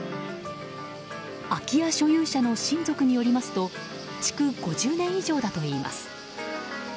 空き家所有者の親族によりますと築５０年以上だといいます。